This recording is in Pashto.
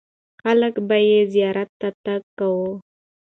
خلک به یې زیارت ته تګ کاوه.